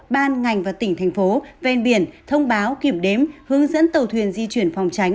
ban ngành và tỉnh thành phố ven biển thông báo kiểm đếm hướng dẫn tàu thuyền di chuyển phòng tránh